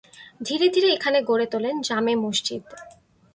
ধীরে ধীরে এখানে গড়ে তোলেন জামে মসজিদ।